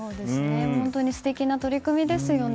本当に素敵な取り組みですよね。